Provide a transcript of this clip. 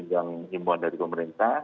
yang imbon dari pemerintah